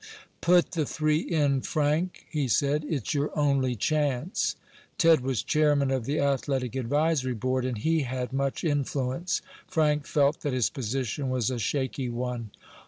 "Put the three in, Frank," he said. "It's your only chance." Ted was chairman of the athletic advisory board, and he had much influence. Frank felt that his position was a shaky one.